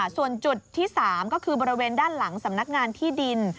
ส่วนจุดที่๓ก็คือบริเวณด้านหลังสำนักงานที่ดิน